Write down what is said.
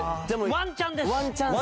ワンチャンなんですね。